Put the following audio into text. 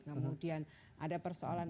kemudian ada persoalan